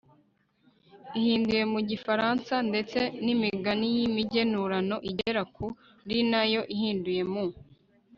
ihinduye mu gifaransa, ndetse n'imigani y'imigenurano igera kuri na yo ihinduye mu